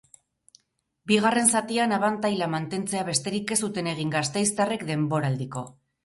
Bigarren zatian abantaila mantentzea besterik ez zuten egin gasteiztarrek denboraldiko hamaikagarrena garaipena erdiesteko.